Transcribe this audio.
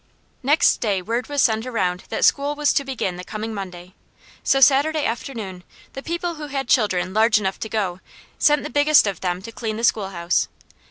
Next day word was sent around that school was to begin the coming Monday; so Saturday afternoon the people who had children large enough to go sent the biggest of them to clean the schoolhouse.